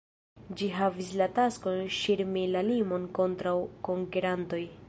Ĝi havis la taskon ŝirmi la limon kontraŭ konkerantoj.